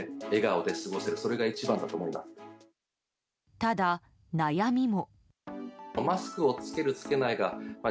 ただ、悩みも。